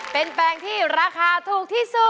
เป็นแปลงที่ราคาอยู่ที่